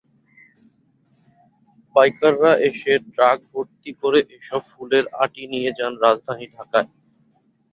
পাইকাররা এসে ট্রাকভর্তি করে এসব ফুলের আঁটি নিয়ে যান রাজধানী ঢাকায়।